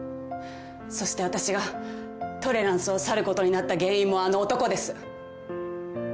そして私がトレランスを去ることになった原因もあの男です。